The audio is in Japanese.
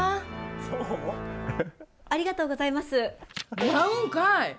もらうんかい。